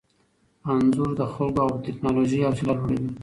انځور د خلکو او ټیکنالوژۍ حوصله لوړوي.